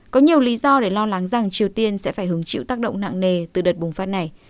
có nhiều lý do để lo lắng rằng triều tiên sẽ phải hứng chịu tác động nặng nề từ đợt bùng phát này